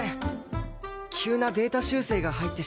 急なデータ修正が入ってしまって。